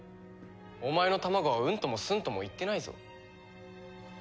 お前の卵はうんともすんとも言ってないぞ。